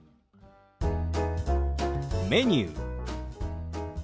「メニュー」。